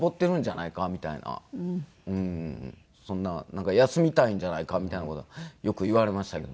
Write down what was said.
そんな休みたいんじゃないかみたいな事はよく言われましたけどね。